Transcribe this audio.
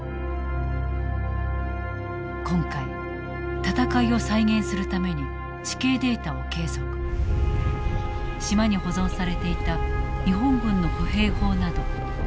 今回戦いを再現するために地形データを計測島に保存されていた日本軍の歩兵砲など戦闘の手がかりを集めた。